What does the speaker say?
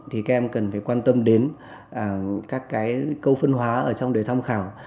thì các em cần phải quan tâm đến các câu phân hóa trong đề thăm khảo